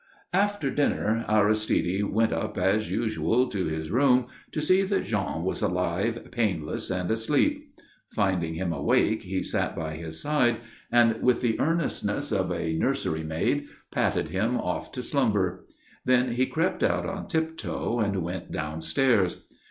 After dinner Aristide went up, as usual, to his room to see that Jean was alive, painless, and asleep. Finding him awake, he sat by his side and, with the earnestness of a nursery maid, patted him off to slumber. Then he crept out on tiptoe and went downstairs.